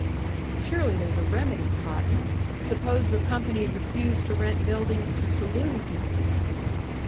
"Surely there's a remedy, Cotton! Suppose the company refused to rent buildings to saloon keepers?"